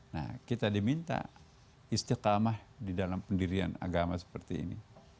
nah kita diminta istiqlalmah di dalam pendirian agama seperti ini